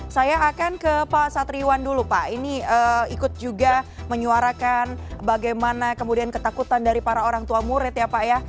saya akan ke pak satriwan dulu pak ini ikut juga menyuarakan bagaimana kemudian ketakutan dari para orang tua murid ya pak ya